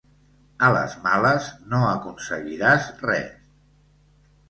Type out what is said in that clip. A les males, no aconseguiràs res.